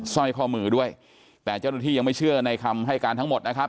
สร้อยข้อมือด้วยแต่เจ้าหน้าที่ยังไม่เชื่อในคำให้การทั้งหมดนะครับ